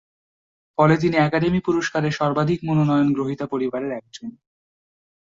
ফলে তিনি একাডেমি পুরস্কারের সর্বাধিক মনোনয়ন গ্রহীতা পরিবারের একজন।